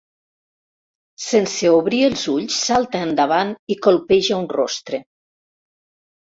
Sense obrir els ulls salta endavant i colpeja un rostre.